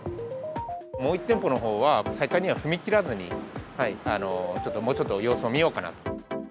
もう１店舗のほうは再開には踏み切らずに、ちょっともうちょっと、様子を見ようかなと。